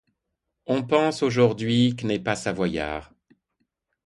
On pense aujourd'hui qu' n'est pas savoyard.